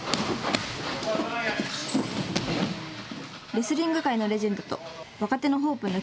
レスリング界のレジェンドと若手のホープの